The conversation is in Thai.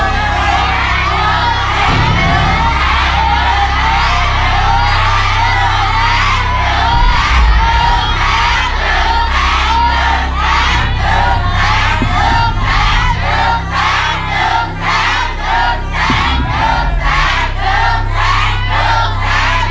ลูกแสงลูกแสง